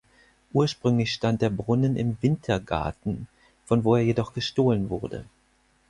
Ursprünglich stand der Brunnen im „Wintergarten“, von wo er jedoch gestohlen wurde.